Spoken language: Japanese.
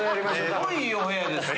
すごいいいお部屋ですね